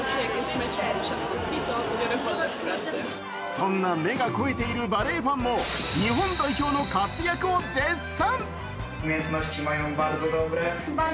そんな目がこえているバレーファンも日本代表の活躍を絶賛。